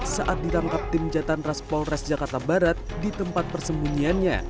saat ditangkap tim jatan ras polres jakarta barat di tempat persembunyiannya